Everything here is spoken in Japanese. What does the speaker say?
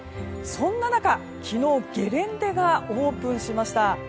そんな中、昨日ゲレンデがオープンしました。